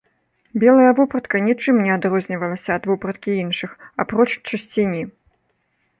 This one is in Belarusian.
Белая вопратка нічым не адрознівалася ад вопраткі іншых, апроч чысціні.